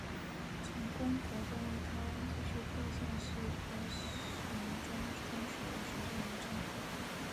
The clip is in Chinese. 成功国中为台湾地区各县市国民中学学校名称。